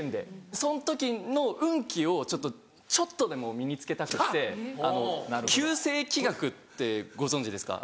その時の運気をちょっとでも身に付けたくって九星気学ってご存じですか？